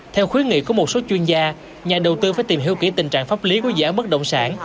theo khuyến nghị của một số chuyên gia nhà đầu tư phải tìm hiểu kỹ tình trạng pháp lý của dự án bất động sản